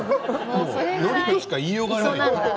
のりとしか言いようがない。